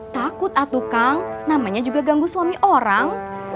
takut atuh kang namanya juga ganggu suami orang